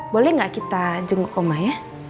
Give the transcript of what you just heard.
boleh gak kita jenguk mama ya